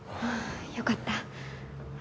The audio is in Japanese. よかった。